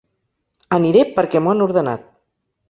Aniré perquè m'ho han ordenat!